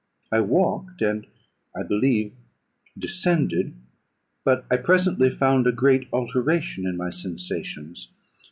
I walked, and, I believe, descended; but I presently found a great alteration in my sensations.